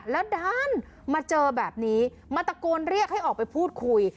แล้วด้านมาเจอแบบนี้มาตะโกนเรียกให้ออกไปพูดคุย